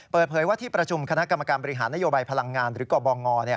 เปิดเผยว่าที่ประชุมคณะกรรมการบริหารนโยบายพลังงานหรือกบง